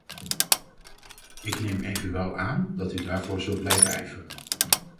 Ik neem evenwel aan dat u daarvoor zult blijven ijveren.